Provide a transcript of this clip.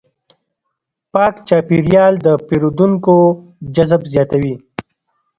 پاک چاپېریال د پیرودونکو جذب زیاتوي.